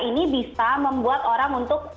ini bisa membuat orang untuk